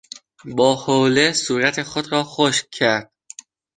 با حوله صورت خود را خشک کرد.